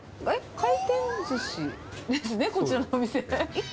回転ずしですね、こちらのお店。